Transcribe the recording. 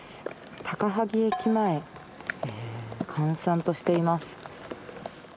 高萩駅前閑散としています。